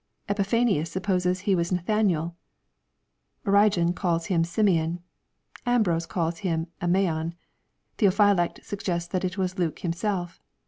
Epiphanius supposes he was Nathanael. Origen calls him Simeon. Ambrose calls him Amaon. Theophylact suggests that it was Luke himself.